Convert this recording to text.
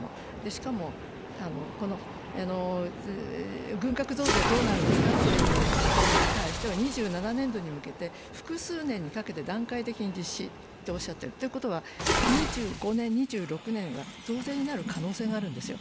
しかも軍拡増税どうなるんですかという問いに対しては２７年度に向けて複数年にかけて段階的に実施とおっしゃっているということは、２５年、２６年には増税になる可能性があるんですよ。